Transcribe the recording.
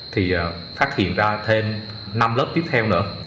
thì phát hiện ra thêm năm lớp tiếp theo nữa